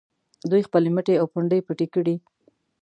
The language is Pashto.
دوی خپلې مټې او پنډۍ پټې کړي.